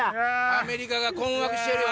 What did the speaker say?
アメリカが困惑してるよ。